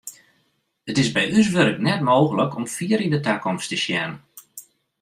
It is by ús wurk net mooglik om fier yn de takomst te sjen.